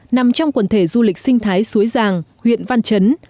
nằm trong quần thể du lịch sinh thái xôi giang huyện văn chấn